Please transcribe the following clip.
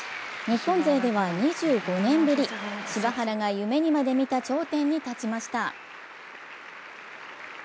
日本勢では２５年ぶり、柴原が夢にまでみた頂点に立ちました。